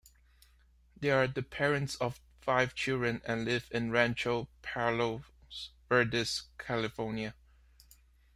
They are the parents of five children and live in Rancho Palos Verdes, California.